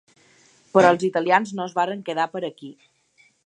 Però els italians no es van quedar per aquí.